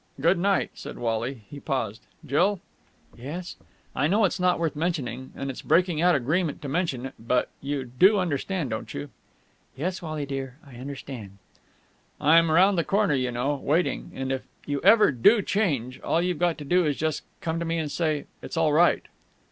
"Good night," said Wally. He paused. "Jill." "Yes?" "I know it's not worth mentioning, and it's breaking our agreement to mention it, but you do understand, don't you?" "Yes, Wally dear, I understand." "I'm round the corner, you know, waiting! And if you ever do change, all you've got to do is just to come to me and say 'It's all right!'...."